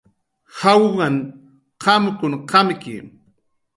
Jawunhan qamkun qamki